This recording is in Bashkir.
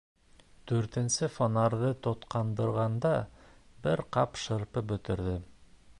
Дүртенсе фонарҙы тоҡандырғанда бер ҡап шырпы бөтөрҙөм.